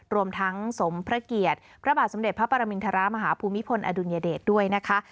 รวมทั้งสมพระเกียรติพระบาทสมเด็จพระปรมินทรมาฮภูมิพลอดุลยเดชด้วยนะคะ